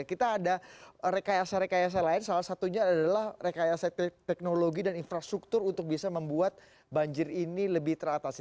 kita ada rekayasa rekayasa lain salah satunya adalah rekayasa teknologi dan infrastruktur untuk bisa membuat banjir ini lebih teratasi